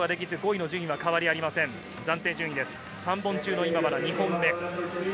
３本中の今まだ２本目。